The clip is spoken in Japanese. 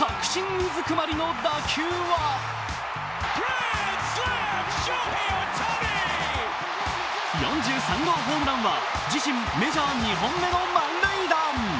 うずくまりの打球は４３号ホームランは自身メジャー２本目の満塁弾。